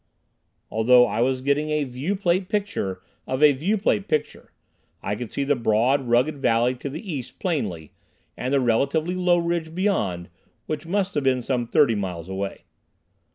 Although I was getting a viewplate picture of a viewplate picture, I could see the broad, rugged valley to the east plainly, and the relatively low ridge beyond, which must have been some thirty miles away.